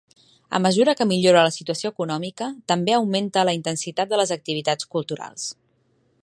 A mesura que millora la situació econòmica, també augmenta la intensitat de les activitats culturals.